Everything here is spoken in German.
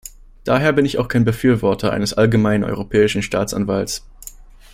Daher bin ich auch kein Befürworter eines allgemeinen europäischen Staatsanwalts.